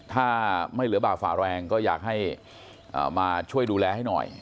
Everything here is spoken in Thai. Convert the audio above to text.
ถ้าไม่เหลือบ่าฝ่าแรงก็อยากให้มาช่วยดูแลให้หน่อย